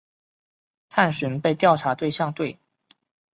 探寻被调查对象对。